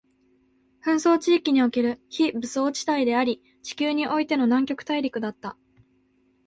紛争地域における非武装地帯であり、地球においての南極大陸だった